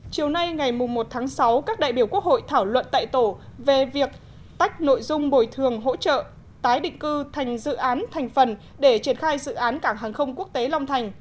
chiều nay ngày một tháng sáu các đại biểu quốc hội thảo luận tại tổ về việc tách nội dung bồi thường hỗ trợ tái định cư thành dự án thành phần để triển khai dự án cảng hàng không quốc tế long thành